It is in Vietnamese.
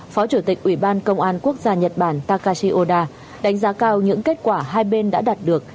trong thời gian tới phó chủ tịch ủy ban công an quốc gia nhật bản takashi oda đánh giá cao những kết quả hai bên đã đạt được